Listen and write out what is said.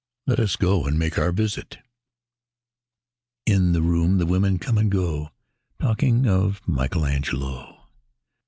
Let us go and make our visit. In the room the women come and go Talking of Michelangelo.